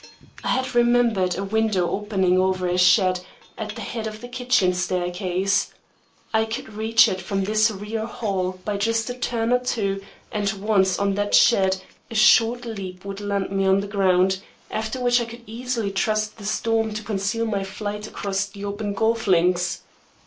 I had remembered a window opening over a shed at the head of the kitchen staircase. I could reach it from this rear hall by just a turn or two, and once on that shed, a short leap would land me on the ground; after which I could easily trust to the storm to conceal my flight across the open golf links.